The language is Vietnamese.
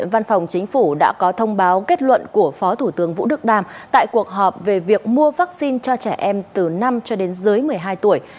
văn phòng chính phủ đã có thông báo kết luận của phó thủ tướng vũ đức đam tại cuộc họp về việc mua vaccine cho trẻ em từ năm cho đến dưới một mươi hai tuổi